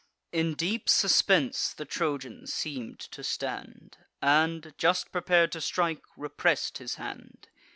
In deep suspense the Trojan seem'd to stand, And, just prepar'd to strike, repress'd his hand.